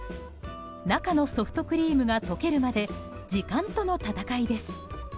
中のソフトクリームが溶けるまで時間との戦いです。